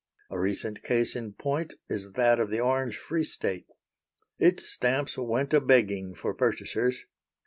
A recent case in point is that of the Orange Free State. Its stamps went a begging for purchasers.